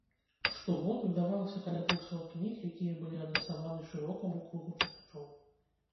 Штогод выдавалася каля двухсот кніг, якія былі адрасаваны шырокаму кругу чытачоў.